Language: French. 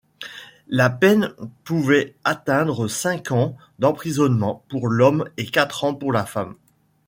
La peine pouvait atteindre cinq ans d'emprisonnement pour l'homme et quatre pour la femme.